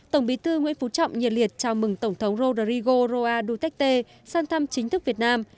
tổng bí thư nguyễn phú trọng nhiệt liệt chào mừng tổng thống rodrigo roa duterte sang thăm chính thức việt nam